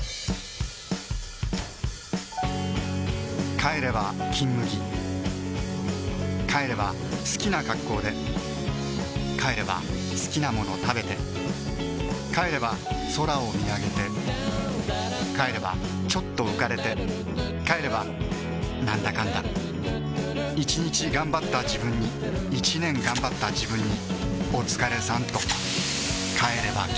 帰れば「金麦」帰れば好きな格好で帰れば好きなもの食べて帰れば空を見上げて帰ればちょっと浮かれて帰ればなんだかんだ１日がんばったジブンに１年がんばったジブンにおつかれさんとシュワー帰れば「金麦」